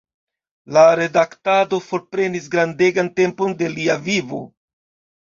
La redaktado forprenis grandegan tempon de lia vivo.